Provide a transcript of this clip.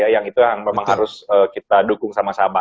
yang itu yang memang harus kita dukung sama sama